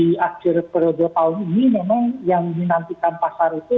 di akhir periode tahun ini memang yang dinantikan pasar itu